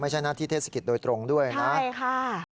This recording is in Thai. หน้าที่เทศกิจโดยตรงด้วยนะใช่ค่ะ